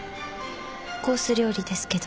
コース料理ですけど。